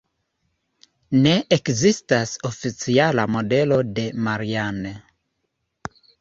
Ne ekzistas oficiala modelo de Marianne.